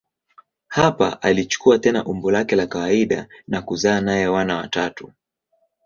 Hapa alichukua tena umbo lake la kawaida na kuzaa naye wana watatu.